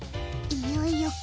いよいよか。